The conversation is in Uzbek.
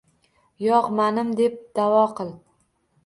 Yo’q, manim, deb da’vo qil.